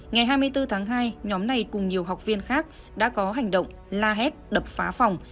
ngày hai mươi bốn tháng hai nhóm này cùng nhiều học viên khác đã có hành động la hét đập phá phòng